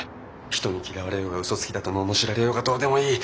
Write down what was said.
人に嫌われようが嘘つきだとののしられようがどうでもいい！